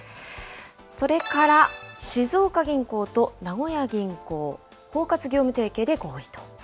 それから静岡銀行と名古屋銀行、包括業務提携で合意と。